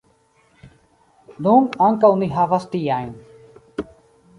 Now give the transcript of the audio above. Nun ankaŭ ni havas tiajn.